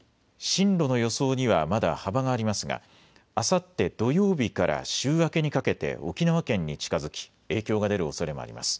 進路の予想にはまだ幅がありますがあさって土曜日から週明けにかけて沖縄県に近づき影響が出るおそれもあります。